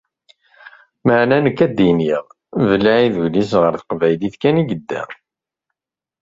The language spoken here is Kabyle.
Meɛna nekk a-d-iniɣ : Belɛid, ul-is ɣer teqbaylit kan i yedda.